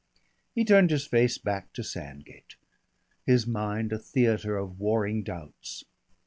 He turned his face back to Sandgate, his mind a theatre of warring doubts.